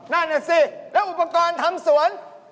นั่นแหละสิอุปกรณ์ทำสวน